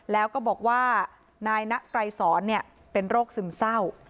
แล้วก็บอกว่านายนะไกรสอนเป็นโรคซึมเศร้า